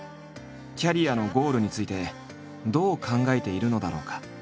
キャリアのゴールについてどう考えているのだろうか？